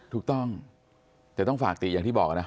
ถูกต้องแต่ต้องฝากติอย่างที่บอกนะ